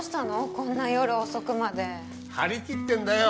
こんな夜遅くまで張り切ってんだよ